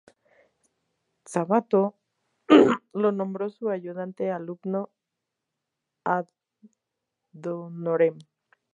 Sabato lo nombró su ayudante alumno ad-honorem.